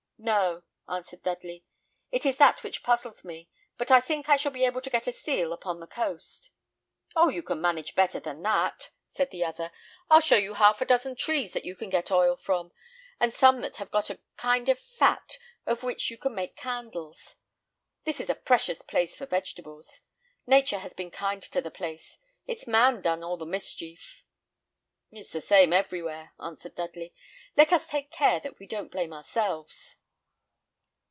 "No," answered Dudley; "it is that which puzzles me; but I think I shall be able to get a seal upon the coast." "Oh! you can manage better than that," said the other. "I'll show you half a dozen trees that you can get oil from, and some that have got a kind of fat, of which you can make candles. This is a precious place for vegetables. Nature has been kind to the place; it's man's done all the mischief." "It's the same everywhere," answered Dudley; "let us take care that we don't blame ourselves."